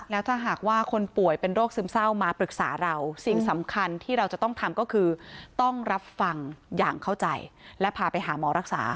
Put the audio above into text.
แล้วถ้าหากว่าคนป่วยเป็นโรคซึมเศร้ามาปรึกษาเราสิ่งสำคัญที่เราจะต้องทำก็คือต้องรับฟังอย่างเข้าใจและพาไปหาหมอรักษา